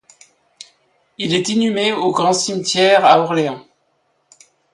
Il est inhumé au Grand Cimetière à Orléans.